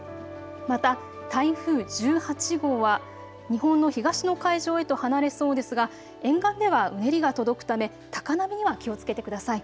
また、台風１８号は日本の東の海上へと離れそうですが沿岸ではうねりが届くため高波は気をつけてください。